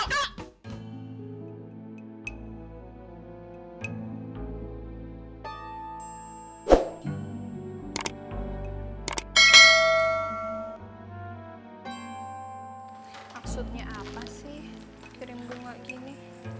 maksudnya apa sih kirim bunga gini